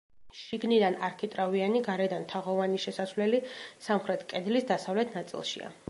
შიგნიდან არქიტრავიანი, გარედან თაღოვანი შესასვლელი სამხრეთ კედლის დასავლეთ ნაწილშია.